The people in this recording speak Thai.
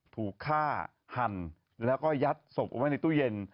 ถูกฆ่าหั่นแล้วก็ยัดศพเอาไว้ในตู้เย็น